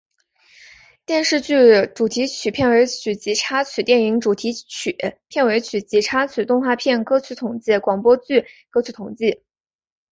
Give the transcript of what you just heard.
电视剧主题曲片尾曲及插曲电影主题曲片尾曲及插曲动画片歌曲统计广播剧歌曲统计